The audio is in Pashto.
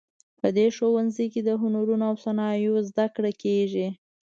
په دې ښوونځي کې د هنرونو او صنایعو زده کړه کیږي